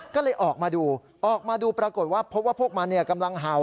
ก็เลยออกมาดูออกมาดูปรากฏว่าพบว่าพวกมันกำลังเห่า